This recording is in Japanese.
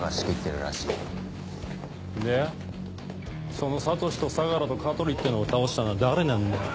その智司と相良と香取ってのを倒したのは誰なんだ？